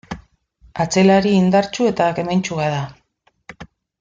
Atzelari indartsu eta kementsua da.